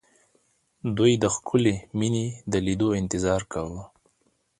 دوی د ښکلې مينې د ليدو انتظار کاوه